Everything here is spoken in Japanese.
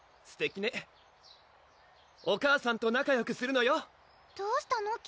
すてきねお母さんと仲よくするのよどうしたの？